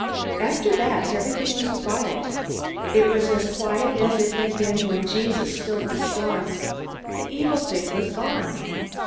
After that everything was quiet. It was as quiet as it had been when Jesus stilled the storm. The evil thing was gone.